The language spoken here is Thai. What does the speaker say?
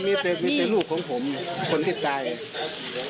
มีแต่ลูกของผมคนให้ตายค่ะ